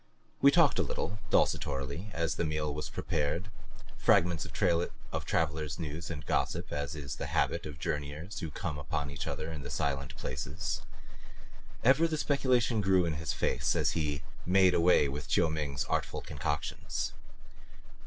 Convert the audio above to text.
We talked a little, desultorily, as the meal was prepared fragments of traveler's news and gossip, as is the habit of journeyers who come upon each other in the silent places. Ever the speculation grew in his face as he made away with Chiu Ming's artful concoctions.